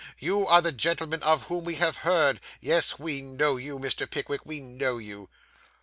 You are the gentleman of whom we have heard. Yes; we know you, Mr. Pickwick; we know you.